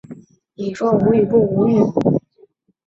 很多人则继续把它当成国际或超国家团结的标志。